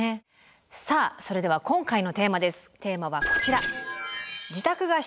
さあそれでは今回のテーマです。